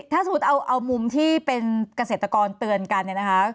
ถ้าสมมุติเอามุมที่เป็นเกษตรกรเตือนกันเนี่ยนะคะ